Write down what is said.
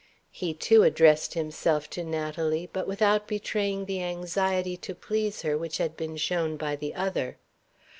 He too addressed himself to Natalie, but without betraying the anxiety to please her which had been shown by the other.